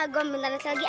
gue minta nasi lagi ah